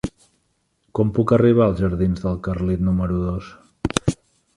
Com puc arribar als jardins del Carlit número dos?